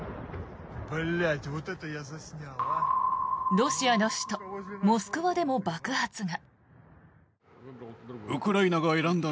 ロシアの首都モスクワでも爆発が。